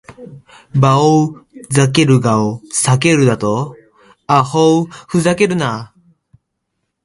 バオウ・ザケルガを避けるだと！アホウ・フザケルナ！